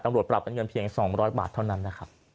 ตำรวจปรับเป็นเงินเพียง๒๐๐บาทเท่านั้นนะครับ